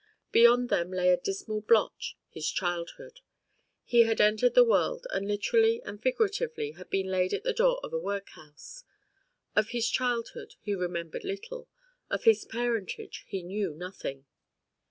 Beyond them lay a dismal blotch, his childhood. He had entered the world and literally and figuratively had been laid at the door of a workhouse; of his childhood he remembered little, of his parentage he knew nothing.